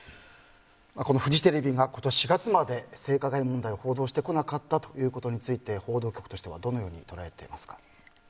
フジテレビが今年４月まで性加害問題を報道してこなかったということについて報道局としてはどのように捉えていますか？